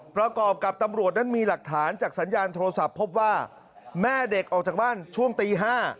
ประกอบกับตำรวจนั้นมีหลักฐานจากสัญญาณโทรศัพท์พบว่าแม่เด็กออกจากบ้านช่วงตี๕